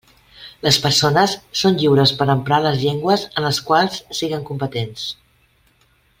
Les persones són lliures per a emprar les llengües en les quals siguen competents.